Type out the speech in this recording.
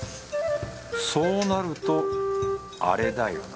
そうなるとあれだよな